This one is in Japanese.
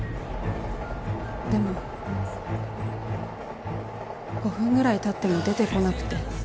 でも５分ぐらい経っても出てこなくて。